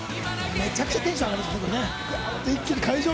めちゃくちゃテンション上がるよね。